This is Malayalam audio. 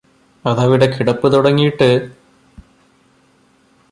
അതവിടെ കിടപ്പു തുടങ്ങിയിട്ട്